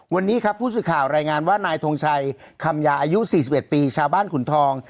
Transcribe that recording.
วันนี้ครับผู้สื่อข่าวรายงานว่านายทงชัยคำยาอายุ๔๑ปีชาวบ้านขุนทอง